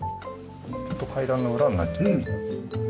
ちょっと階段の裏になっちゃいましたけど。